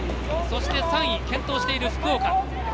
そして、３位健闘している福岡。